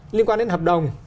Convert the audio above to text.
liên quan đến hợp đồng